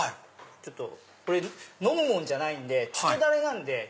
これ飲むものじゃないんでつけダレなんで。